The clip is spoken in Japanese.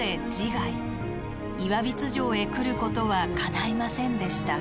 岩櫃城へ来ることはかないませんでした。